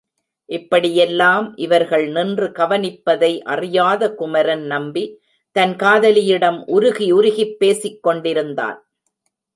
இப்படியெல்லாம் இவர்கள் நின்று கவனிப்பதை அறியாத குமரன் நம்பி தன் காதலியிடம் உருகி உருகிப் பேசிக் கொண்டிருந்தான்.